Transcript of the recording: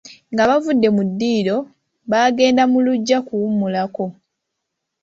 Nga bavudde mu ddiiro, baagenda mu luggya kuwummulako.